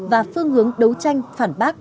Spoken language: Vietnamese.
và phương hướng đấu tranh phản bác